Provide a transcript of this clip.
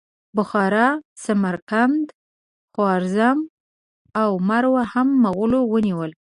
بخارا، سمرقند، خوارزم او مرو هم مغولو ونیول.